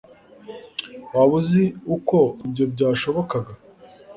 Waba uzi uko ibyo byashobokaga?